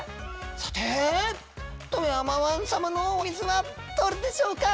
さて富山湾様のお水はどれでしょうか？